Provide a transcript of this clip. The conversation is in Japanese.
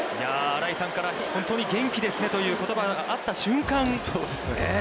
新井さんから、本当に元気ですねという言葉があった瞬間。